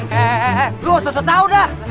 eh eh eh lo susah susah tau dah